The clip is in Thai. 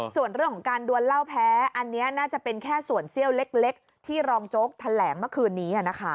ส่วนเรื่องของการดวนเหล้าแพ้อันนี้น่าจะเป็นแค่ส่วนเซี่ยวเล็กที่รองโจ๊กแถลงเมื่อคืนนี้นะคะ